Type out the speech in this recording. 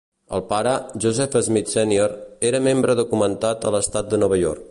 El pare, Joseph Smith Sènior, era membre documentat a l'estat de Nova York.